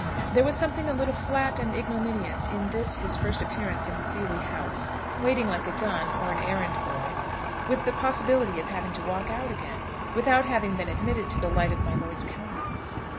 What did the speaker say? There was something a little flat and ignominious in this his first appearance in the Seely house, waiting like a dun or an errand boy, with the possibility of having to walk out again, without having been admitted to the light of my lord's countenance.